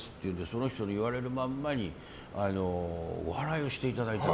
その人に言われるままにおはらいをしていただいて。